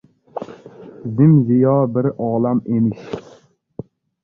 Zim-ziyo bir olam emish.